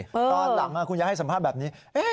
ละตอนหลังอ่ะคุณยายให้สัมภาพแบบนี้เอ้ย